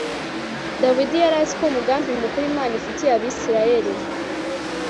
dawidi yari azi ko umugambi mukuru imana ifitiye abisirayeli